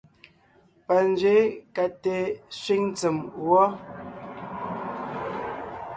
Panzwě ka te sẅíŋ tsèm wɔ.